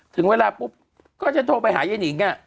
ถึงเวลาปุ๊บก็จะโทรไปหาเย้นิง